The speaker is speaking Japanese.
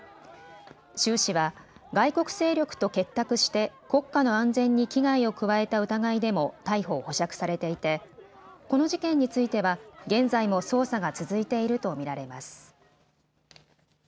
周氏は外国勢力と結託して国家の安全に危害を加えた疑いでも逮捕・保釈されていてこの事件については現在も捜査が続いていると見られます。